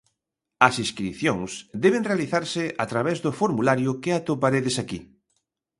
As inscricións deben realizarse a través do formulario que atoparedes aquí.